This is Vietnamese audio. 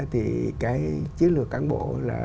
thì cái chiến lược cán bộ